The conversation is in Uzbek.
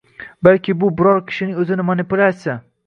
balki bu biror kishining o‘zini manipulyatsiya